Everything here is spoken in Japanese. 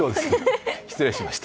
失礼しました。